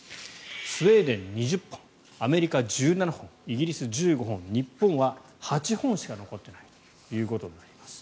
スウェーデン、２０本アメリカ、１７本イギリス、１５本日本は８本しか残っていないということになります。